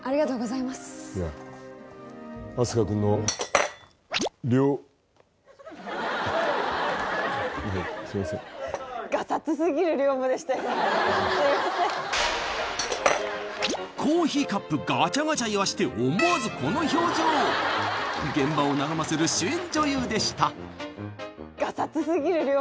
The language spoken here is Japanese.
いやあす花君の寮コーヒーカップガチャガチャいわせて思わずこの表情現場を和ませる主演女優でした